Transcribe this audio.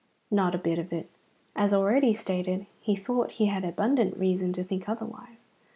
Not a bit of it. As already stated, he thought he had abundant reason to think otherwise.